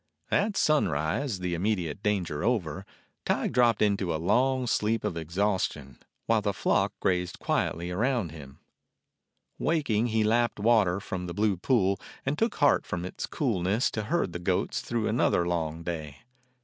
At sunrise, the immediate danger over, Tige dropped into a long sleep of exhaustion, 19 DOG HEROES OF MANY LANDS while the flock grazed quietly around him. Waking he lapped water from the blue pool and took heart from its coolness to herd the goats through another long day.